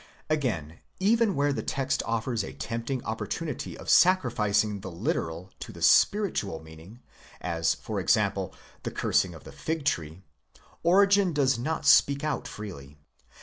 Again, even ' where the text offers a tempting opportunity of sacrificing the literal to the spiritual meaning, as, for example, the cursing of the fig tree,1* Origen does not speak out freely.